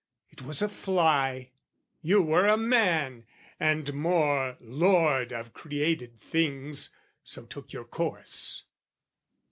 It was a fly, you were a man, and more, Lord of created things, so took your course.